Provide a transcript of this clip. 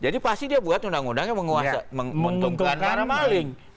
jadi pasti dia buat undang undang yang menguntungkan para maling